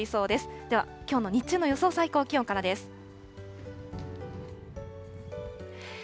では、きょうの日中の予想最高気温からです。